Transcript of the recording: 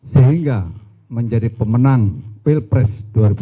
sehingga menjadi pemenang pilpres dua ribu sembilan belas